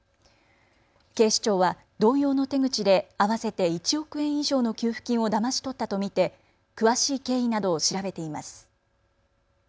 警視庁は同様の手口で合わせて１億円以上の給付金をだまし取ったと見て詳しい経緯などを調べています。